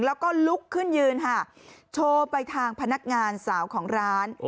แล้วก็ลุกขึ้นยืนค่ะโชว์ไปทางพนักงานสาวของร้าน